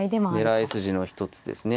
狙い筋の一つですね。